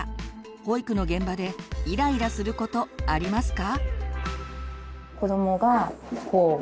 保育の現場でイライラすることありますか？